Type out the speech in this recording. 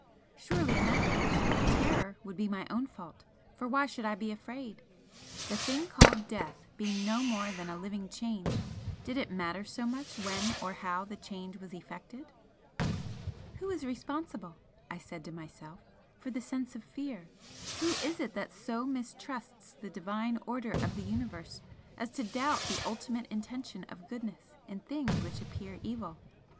Surely in that case the terror would be my own fault, for why should I be afraid? The thing called Death being no more than a Living Change did it matter so much when or how the change was effected? "Who is responsible," I said to myself "for the sense of fear? Who is it that so mistrusts the Divine order of the Universe as to doubt the ultimate intention of goodness in things which appear evil?